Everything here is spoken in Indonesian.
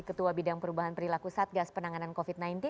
ketua bidang perubahan perilaku satgas penanganan covid sembilan belas